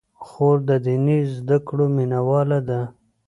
خور د دیني زدکړو مینه واله ده.